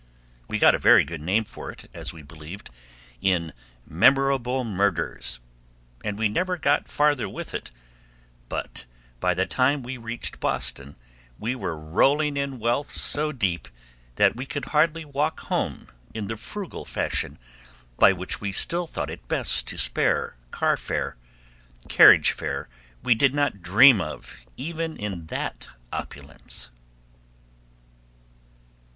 We got a very good name for it, as we believed, in Memorable Murders, and we never got farther with it, but by the time we reached Boston we were rolling in wealth so deep that we could hardly walk home in the frugal fashion by which we still thought it best to spare car fare; carriage fare we did not dream of even in that opulence.